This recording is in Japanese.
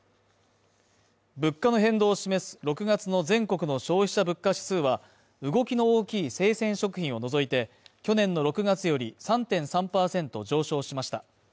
物価の変動を示す６月の全国の消費者物価指数は、動きの大きい生鮮食品を除いて、去年の６月より３．３％上昇しました。